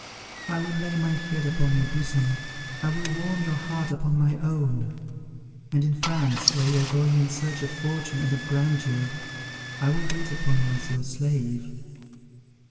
I will lay my head upon your bosom: I will warm your heart upon my own; and in France, where you are going in search of fortune and of grandeur, I will wait upon you as your slave.